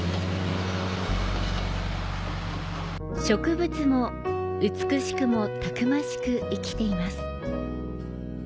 植物も美しくもたくましく生きています。